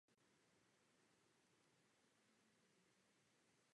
Největší úspěch své kariéry zaznamenala na mistrovství světa v Berlíně.